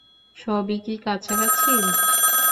সবই কি কাছাকাছি?